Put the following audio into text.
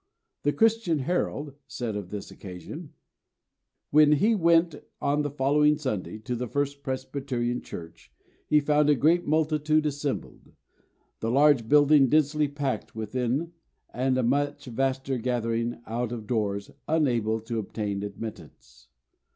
The Christian Herald said of this occasion: "When he went on the following Sunday to the First Presbyterian Church he found a great multitude assembled, the large building densely packed within and a much vaster gathering out of doors unable to obtain admittance.